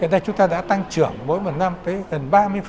hiện nay chúng ta đã tăng trưởng mỗi một năm tới gần ba mươi